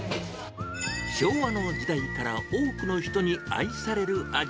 昭和の時代から多くの人に愛される味。